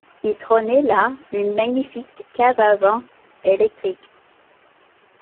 Il trônait là une magnifique cave à vin électrique